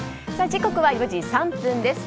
時刻は４時３分です。